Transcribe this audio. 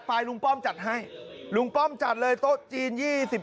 ผมจะดูแลครับ